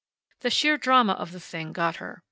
The sheer drama of the thing got her.